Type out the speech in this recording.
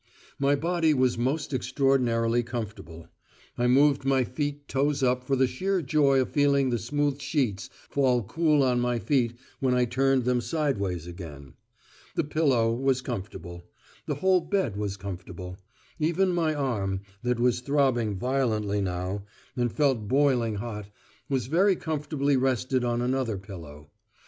My body was most extraordinarily comfortable. I moved my feet toes up for the sheer joy of feeling the smooth sheets fall cool on my feet when I turned them sideways again. The pillow was comfortable; the whole bed was comfortable; even my arm, that was throbbing violently now, and felt boiling hot, was very comfortably rested on another pillow.